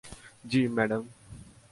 জ্বি, ম্যাডাম।